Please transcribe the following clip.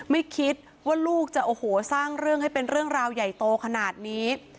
ไม่คิดว่าลูกจะโอ้โหสร้างเรื่องให้เป็นเรื่องราวใหญ่โตขนาดนี้